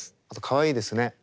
あとかわいいですね。